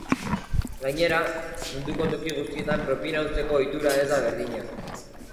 Gainera, munduko toki guztietan propina uzteko ohitura ez da berdina.